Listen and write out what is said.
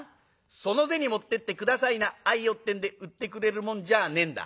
その銭持ってって『下さいな』『あいよ』ってんで売ってくれるもんじゃねえんだ。